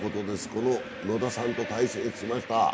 この野田さんと対戦しました。